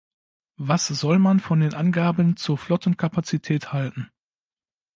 Was soll man von den Angaben zur Flottenkapazität halten?